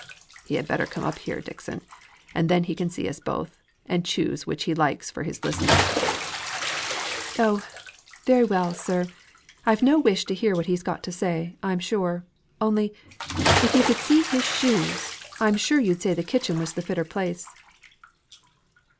"He had better come up here, Dixon; and then he can see us both, and choose which he likes for his listener." "Oh! very well, sir. I've no wish to hear what he's got to say, I'm sure; only, if you could see his shoes, I'm sure you'd say the kitchen was the fitter place."